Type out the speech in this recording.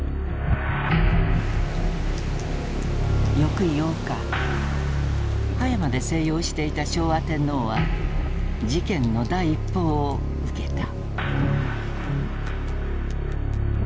翌８日葉山で静養していた昭和天皇は事件の第一報を受けた。